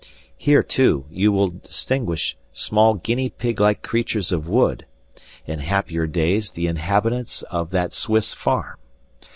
Here, too, you will distinguish small guinea pig like creatures of wood, in happier days the inhabitants of that Swiss farm.